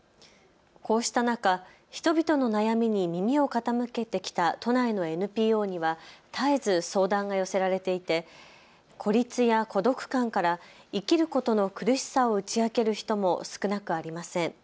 こうした中、人々の悩みに耳を傾けてきた都内のＮＰＯには絶えず相談が寄せられていて孤立や孤独感から生きることの苦しさを打ち明ける人も少なくありません。